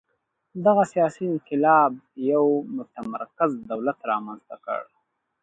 دغه سیاسي انقلاب یو متمرکز دولت رامنځته کړ.